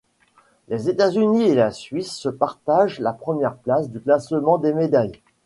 Les États-Unis et la Suisse se partagent la première place du classement des médailles.